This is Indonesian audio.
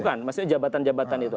bukan maksudnya jabatan jabatan itu